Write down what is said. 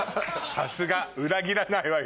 さすが裏切らないわよ。